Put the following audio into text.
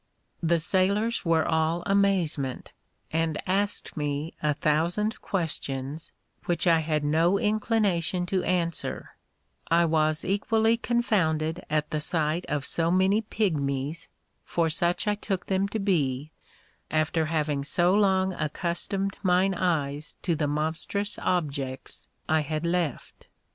The sailors were all amazement, and asked me a thousand questions, which I had no inclination to answer, I was equally confounded at the sight of so many pygmies, for such I took them to be, after having so long accustomed mine eyes to the monstrous objects I had left.